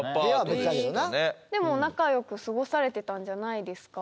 でも仲良く過ごされてたんじゃないですか？